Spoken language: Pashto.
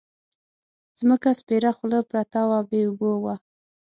ځمکه سپېره خوله پرته وه بې اوبو وه.